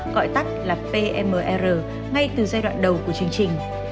gọi tắt là pmr ngay từ giai đoạn đầu của chương trình